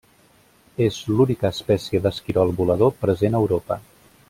És l'única espècie d'esquirol volador present a Europa.